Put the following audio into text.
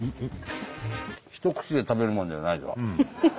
一口で食べるもんじゃない。